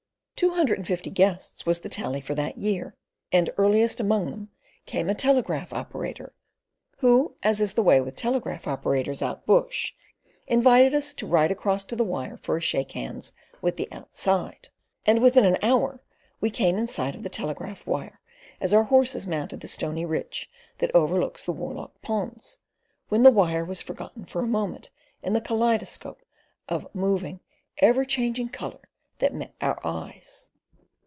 Two hundred and fifty guests was the tally for that year, and earliest among them came a telegraph operator, who as is the way with telegraphic operators out bush invited us to "ride across to the wire for a shake hands with Outside"; and within an hour we came in sight of the telegraph wire as our horses mounted the stony ridge that overlooks the Warloch ponds, when the wire was forgotten for a moment in the kaleidoscope of moving, ever changing colour that met our eyes.